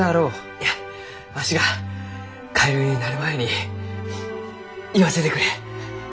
いやわしがカエルになる前に言わせてくれ。